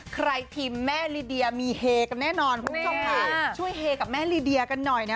ทีมแม่ลีเดียมีเฮกันแน่นอนคุณผู้ชมค่ะช่วยเฮกับแม่ลีเดียกันหน่อยนะ